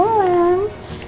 mari dok mari silahkan